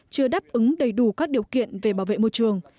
chưa đáp ứng đầy đủ các điều kiện về bảo vệ môi trường